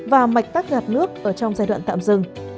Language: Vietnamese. và mạch tắc gạt nước ở trong giai đoạn tạm dừng